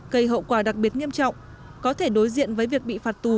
gây hậu quả đặc biệt nghiêm trọng có thể đối diện với việc bị phạt tù